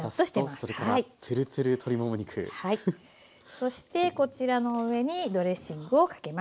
そしてこちらの上にドレッシングをかけます。